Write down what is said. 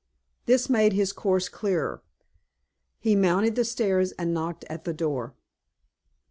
This made his course clearer. He mounted the stairs, and knocked at the door.